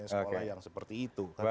sekolah yang seperti itu